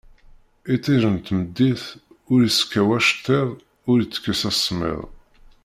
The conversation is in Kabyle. Itij n tmeddit ur iskaw acettiḍ ur itekkes asemmiḍ